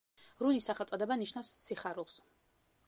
რუნის სახელწოდება ნიშნავს „სიხარულს“.